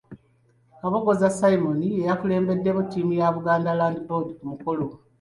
Kabogoza Simon y'eyakulembeddemu ttiimu ya Buganda Land Board ku mukolo.